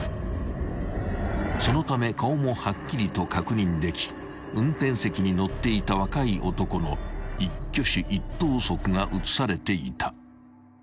［そのため顔もはっきりと確認でき運転席に乗っていた若い男の一挙手一投足が写されていた］